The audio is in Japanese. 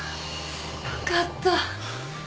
よかった。